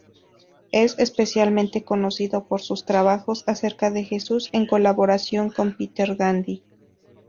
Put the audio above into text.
Es especialmente conocido por sus trabajos acerca de Jesús, en colaboración con Peter Gandy.